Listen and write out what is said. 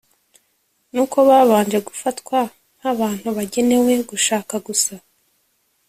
, ni uko babanje gufatwa nk’abantu bagenewe gushaka gusa